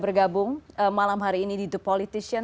bergabung malam hari ini di the politician